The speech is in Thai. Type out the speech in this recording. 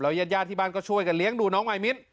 ญาติญาติที่บ้านก็ช่วยกันเลี้ยงดูน้องมายมิ้น